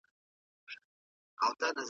ټولنه تل بدلون کوي او پرمختګ غواړي.